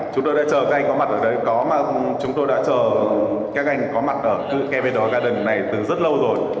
chúng tôi đã chờ các anh có mặt ở đây có mà chúng tôi đã chờ các anh có mặt ở capitol garden này từ rất lâu rồi